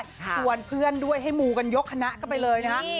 ชวนเพื่อนด้วยให้หมูกันยกคณะครับใกล้เลยนะครับ